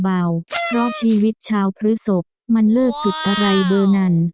เพราะชีวิตชาวพฤศพมันเลิกจุดอะไรเบอร์นั้น